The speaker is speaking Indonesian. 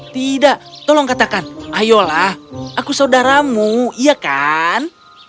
tidak tolong katakan ayolah aku saudaramu iya kan